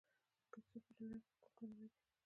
د کاپیسا په نجراب کې کوم کانونه دي؟